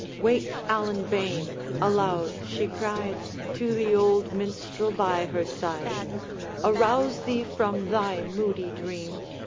'Wake, Allan bane,' aloud she cried To the old minstrel by her side, 'Arouse thee from thy moody dream!